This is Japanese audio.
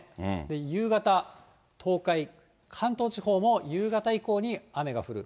夕方、東海、関東地方も夕方以降に雨が降る。